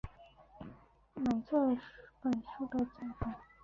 买这本书的再版